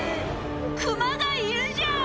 「クマがいるじゃん！」